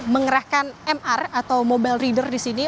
mengerahkan mr atau mobile reader di sini